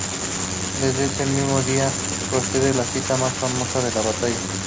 De ese mismo día procede la cita más famosa de la batalla.